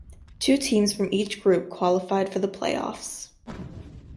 Two teams from each group qualified for the playoffs.